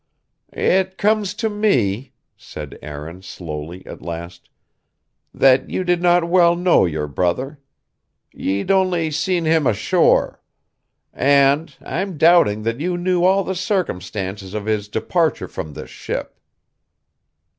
"It comes to me," said Aaron slowly at last, "that you did not well know your brother. Ye'd only seen him ashore. And I'm doubting that you knew all the circumstances of his departure from this ship."